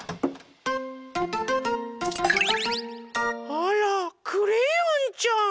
あらクレヨンちゃん。